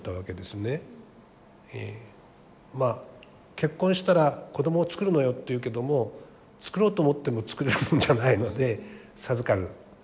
結婚したら子供を作るのよって言うけども作ろうと思っても作れるもんじゃないので授かる。